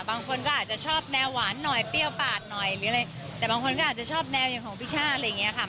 บางคนก็อาจจะชอบแนวหวานหน่อยเปรี้ยวปาดหน่อยหรืออะไรแต่บางคนก็อาจจะชอบแนวอย่างของพี่ช่าอะไรอย่างเงี้ยค่ะ